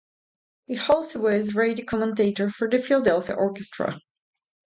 He was also a radio commentator for the Philadelphia Orchestra.